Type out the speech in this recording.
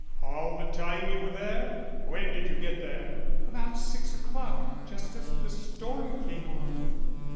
"All the time you were there? When did you get there?" "About six o'clock just as the storm came on."